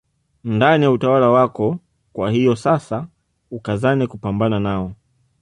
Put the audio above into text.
Ndani ya utawala wako kwa hiyo sasa ukazane kupambana nao